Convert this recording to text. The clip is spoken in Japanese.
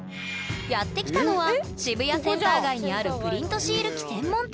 やって来たのは渋谷センター街にあるプリントシール機専門店。